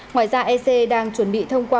ngoài ra ec đang chuẩn bị thông qua